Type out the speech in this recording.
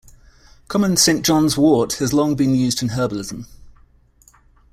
Common Saint John's-wort has long been used in herbalism.